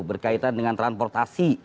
berkaitan dengan transportasi